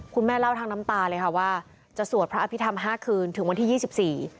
แม่เล่าทางน้ำตาเลยค่ะว่าจะสวดพระอภิษฐรรมห้าคืนถึงวันที่ยี่สิบสี่